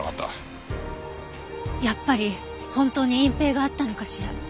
やっぱり本当に隠蔽があったのかしら。